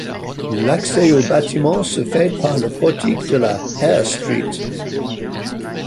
L’accès au bâtiment se fait par le portique de la ‘Hare Street’.